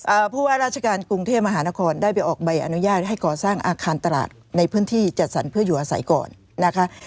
ผู้ว่าราชการกรุงเทพมหานครได้ไปออกใบอนุญาตให้ก่อสร้างอาคารตลาดในพื้นที่จัดสรรเพื่ออยู่อาศัยก่อนนะคะ